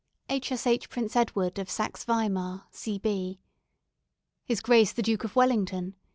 B. H.S.H. Prince Edward of Saxe Weimar, C.B. His Grace the Duke of Wellington.